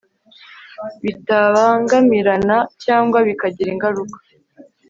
bitabangamirana cyangwa bikagira ingaruka